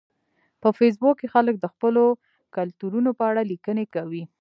په فېسبوک کې خلک د خپلو کلتورونو په اړه لیکنې کوي